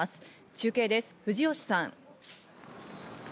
中継です、藤吉さん。